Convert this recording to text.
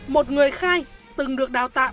một người khai từng được đào tạm